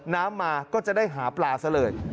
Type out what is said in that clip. น้ำมาก็จะได้หาปลาเสริญ